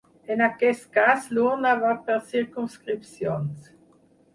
En aquest cas l’urna va per circumscripcions.